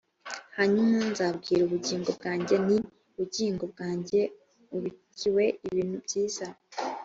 hanyuma nzabwira ubugingo bwanjye nti bugingo bwanjye ubikiwe ibintu byiza